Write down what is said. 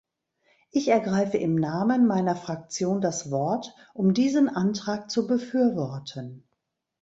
Ich ergreife im Namen meiner Fraktion das Wort, um diesen Antrag zu befürworten.